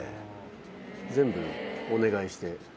全部お願いして。